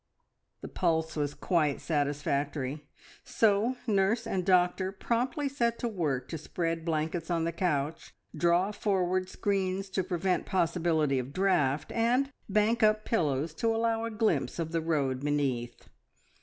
The pulse was quite satisfactory, so nurse and doctor promptly set to work to spread blankets on the couch, draw forward screens to prevent possibility of draught, and bank up pillows to allow a glimpse of the road beneath.